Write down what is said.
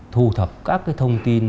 thu thập các thông tin